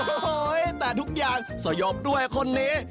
โอ้โหแต่ทุกอย่างสยบด้วยคนนี้